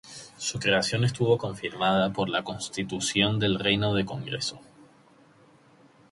Su creación estuvo confirmada por la Constitución del Reino de Congreso.